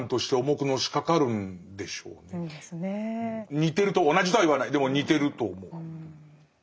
似てると同じとは言わないでも似てると思う。